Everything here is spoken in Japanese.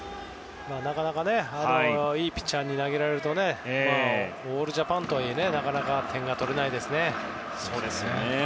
いいピッチャーに投げられるとオールジャパンとはいえなかなか点が取れないですね。